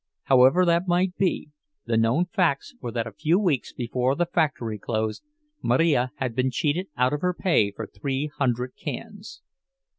However that might be, the known facts were that a few weeks before the factory closed, Marija had been cheated out of her pay for three hundred cans.